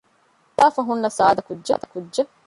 ބުރުގާ އަޅާފައި ހުންނަ ސާދަ ކުއްޖެއް